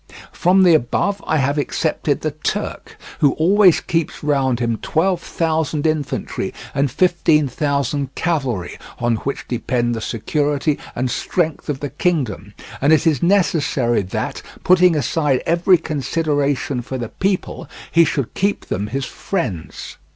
From the above I have excepted the Turk, who always keeps round him twelve thousand infantry and fifteen thousand cavalry on which depend the security and strength of the kingdom, and it is necessary that, putting aside every consideration for the people, he should keep them his friends.